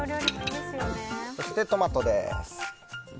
そして、トマトです。